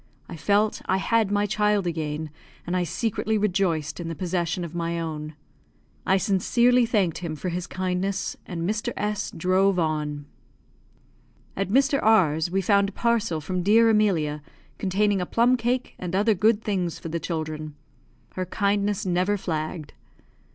I felt I had my child again, and I secretly rejoiced in the possession of my own. I sincerely thanked him for his kindness, and Mr. S drove on. At Mr. R 's, we found a parcel from dear Emilia, containing a plum cake and other good things for the children. Her kindness never flagged.